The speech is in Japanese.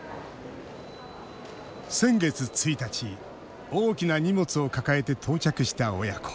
先月１日大きな荷物を抱えて到着した親子。